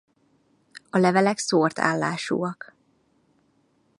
A levelek szórt állásúak.